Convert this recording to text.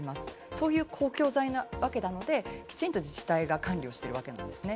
そういった公共財なわけなので、きちんと自治体が管理しているんですね。